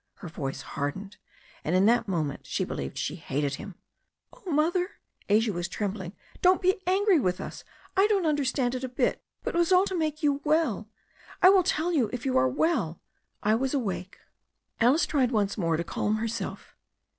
Her voice hardened, and in that moment she be lieved she hated him. "Oh, Mother," Asia was trembling, "don't be angry with us. I don't understand it a bit, but it was all to make you well. I will tell you if you are well — I was awake." Alice tried once more to calm herself.